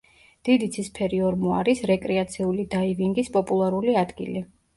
დიდი ცისფერი ორმო არის რეკრეაციული დაივინგის პოპულარული ადგილი.